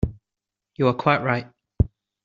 You are quite right.